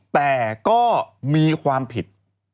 แต่ก็มีความผิด